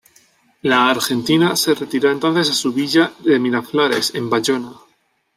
La Argentina se retiró entonces a su villa de Miraflores, en Bayona.